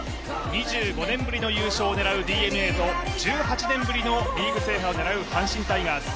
２５年ぶりの優勝を狙うＤｅＮＡと１８年ぶりのリーグ制覇を狙う阪神タイガース。